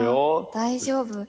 大丈夫。